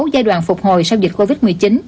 giai đoạn phục hồi sau dịch covid một mươi chín